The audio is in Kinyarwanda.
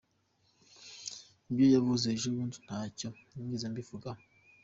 “Ibyo yavuze ejo bundi ntacyo nigeze mbivugaho.”